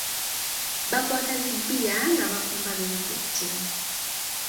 Bakwata zi bbiya nga bakumba beekutte.